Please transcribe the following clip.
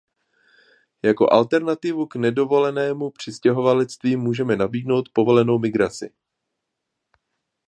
Jako alternativu k nedovolenému přistěhovalectví můžeme nabídnout povolenou migraci.